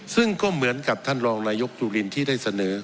ซึ่งก็เหมือนกับท่านรองนายกจุลินที่ได้เสนอ